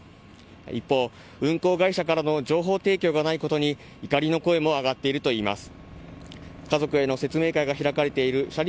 一方、運航会社からの情報提供がないことに怒りの声も上がっているといいます。